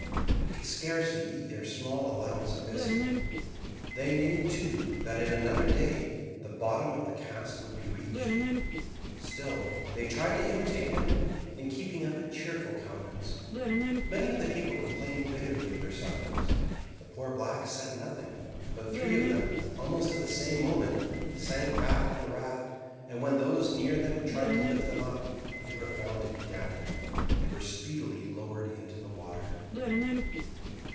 They could scarcely eat their small allowance of biscuit. They knew too that in another day the bottom of the cask would be reached. Still they tried to imitate Hemming in keeping up a cheerful countenance. Many of the people complained bitterly of their sufferings. The poor blacks said nothing, but three of them, almost at the same moment, sank back on the raft, and when those near them tried to lift them up, they were found to be dead. They were speedily lowered into the water.